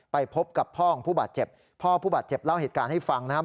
ไปพบกับพ่อของผู้บาดเจ็บพ่อผู้บาดเจ็บเล่าเหตุการณ์ให้ฟังนะครับ